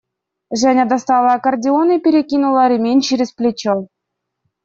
Женя достала аккордеон и перекинула ремень через плечо.